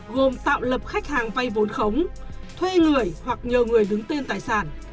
gồm tạo lập khách hàng vay vốn khống thuê người hoặc nhờ người đứng tên tài sản